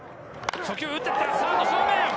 初球打ってきた、サード正面。